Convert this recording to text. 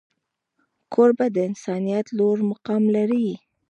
کوربه د انسانیت لوړ مقام لري.